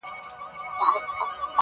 ستا د واده شپې ته شراب پيدا کوم څيښم يې.